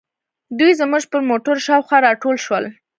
دوی زموږ پر موټرو شاوخوا راټول شول.